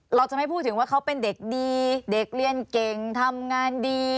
เราจะไม่พูดถึงว่าเขาเป็นเด็กดีเด็กเรียนเก่งทำงานดี